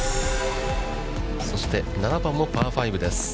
そして、７番もパー５です。